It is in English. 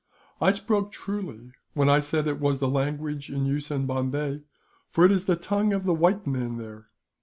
I spoke truly, when I said it was the language in use in Bombay; for it is the tongue of the white men there.